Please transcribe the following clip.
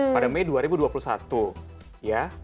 pada mei dua ribu dua puluh satu ya